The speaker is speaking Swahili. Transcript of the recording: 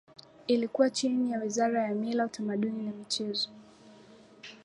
Ilikuwa chini ya Wizara ya Mila Utamaduni na Michezo